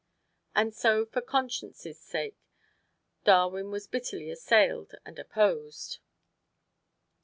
And so for conscience' sake, Darwin was bitterly assailed and opposed.